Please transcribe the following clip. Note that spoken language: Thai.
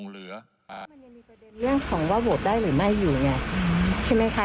เรื่องของว่าโหวตได้หรือไม่อยู่ใช่ไหมคะ